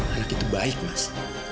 anak itu baik mas